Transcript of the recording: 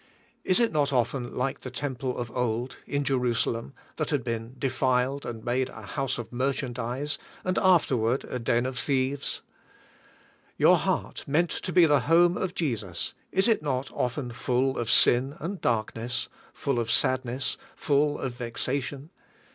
Is it not often like the temple of old, in Jerusalem, that had been defiled and made a house of merchandise, and afterwards a den of thieves? Your heart, meant to be the home of Jesus, is it not often full of sin and dark ness, full of sadness, full of vexation?